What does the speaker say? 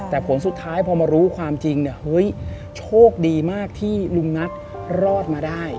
แต่ผลสุดท้ายพอมารู้ความจริงเนี่ยเฮ้ยโชคดีมากที่ลุงนัทรอดมาได้